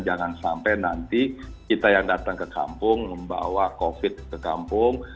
jangan sampai nanti kita yang datang ke kampung membawa covid ke kampung